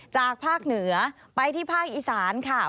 จากภาคเหนือไปที่ภาคอีสานค่ะ